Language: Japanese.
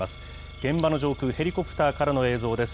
現場の上空、ヘリコプターからの映像です。